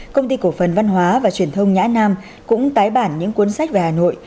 công ty cổ phần văn hóa và truyền thông nhã nam cũng tái bản những cuốn sách về hà nội